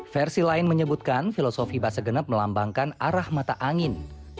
versi lain menyebutkan filosofi bahasa genep melambangkan arah mata angin